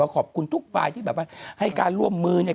ขอบคุณทุกฝ่ายที่ให้การร่วมมือนี้